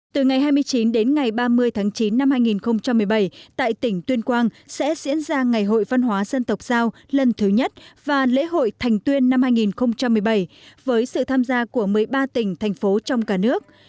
từ ngày hai mươi chín đến ngày ba mươi tháng chín năm hai nghìn một mươi bảy tại tỉnh tuyên quang sẽ diễn ra ngày hội văn hóa dân tộc giao lần thứ nhất và lễ hội thành tuyên năm hai nghìn một mươi bảy với sự tham gia của một mươi ba tỉnh thành phố trong cả nước